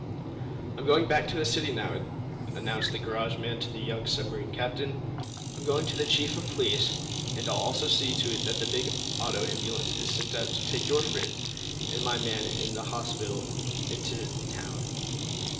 "I'm going back to the city, now," announced the garage man to the young submarine captain. "I'm going to the chief of police, and I'll also see to it that a big auto ambulance is sent out to take your friends and my man to the hospital in town.